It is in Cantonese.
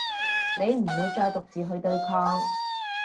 你唔會再獨自去對抗